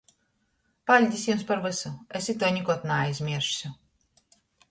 Paļdis jums par vysu, es ituo nikod naaizmiersšu.